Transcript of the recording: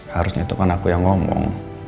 harusnya itu kan aku yang ngomong